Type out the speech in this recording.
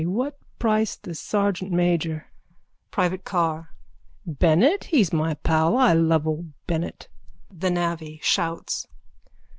What price the sergeantmajor? PRIVATE CARR: Bennett? He's my pal. I love old Bennett. THE NAVVY: _(Shouts.)